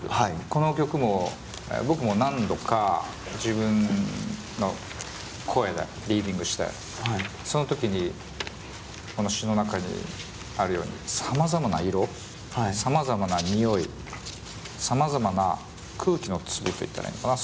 この曲も僕も何度か自分の声でリーディングしてその時にこの詞の中にあるようにさまざまな色さまざまなにおいさまざまな空気の粒って言ったらいいのかな